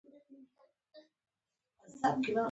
کله – کله باران بازي درولای سي.